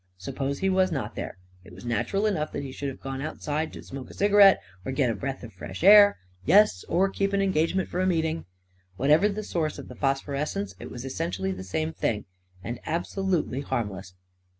Suppose he was not there — it was natural enough that he should have gone outside to smoke a ciga rette, or get a breath of fresh air — yes, or keep an engagement for a meeting! Whatever the source of the phosphorescence, it was essentially the same thing, and absolutely harmless.